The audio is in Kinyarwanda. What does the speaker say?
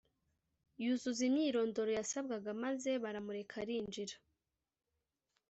yuzuza imyirondoro yasabwaga maze baramureka arinjira